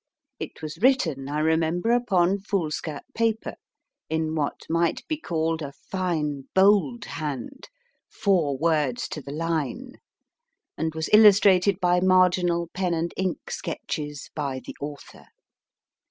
It was written, I remember, upon fools cap paper, in what might be called a fine bold hand four words to the line, and was illustrated by marginal pen and ink sketches by the author.